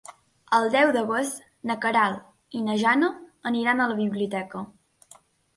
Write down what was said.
El deu d'agost na Queralt i na Jana aniran a la biblioteca.